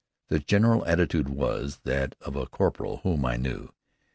The general attitude was that of a corporal whom I knew.